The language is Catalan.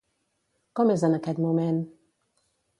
Com és en aquest moment?